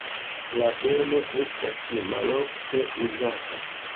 La belo estas malofte uzata.